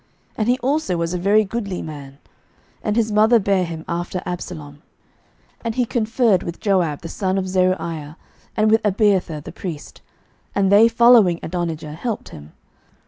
and he also was a very goodly man; and his mother bare him after Absalom. 11:001:007 And he conferred with Joab the son of Zeruiah, and with Abiathar the priest: and they following Adonijah helped him.